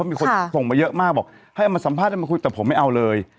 มีคนส่งมาเยอะมากบอกให้เอามาสัมภาษณ์ให้มาคุยแต่ผมไม่เอาเลย